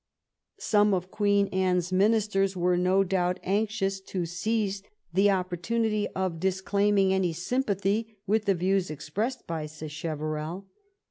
Some of Queen Anne's ministers were, no doubt, anxious to seize the opportunity of disclaiming any sympathy with the views expressed by Sacheverell.